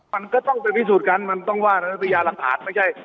มันก็ต้องไปพิสูจน์กันมันต้องว่านะพญาหลักฐานไม่ใช่